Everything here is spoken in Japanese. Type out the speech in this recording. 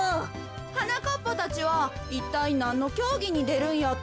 はなかっぱたちはいったいなんのきょうぎにでるんやったっけ？